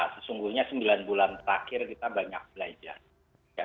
sesungguhnya sembilan bulan terakhir kita banyak belajar